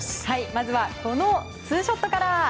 まずはこのツーショットから。